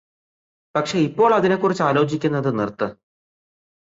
പക്ഷെ ഇപ്പോൾ അതിനെ കുറിച്ചാലോചിക്കുന്നത് നിർത്ത്